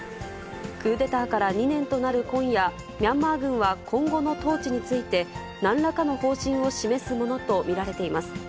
クーデターから２年となる今夜、ミャンマー軍は今後の統治について、なんらかの方針を示すものと見られています。